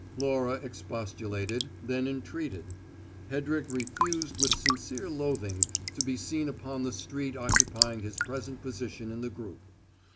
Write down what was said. Laura expostulated, then entreated. Hedrick refused with sincere loathing to be seen upon the street occupying his present position in the group.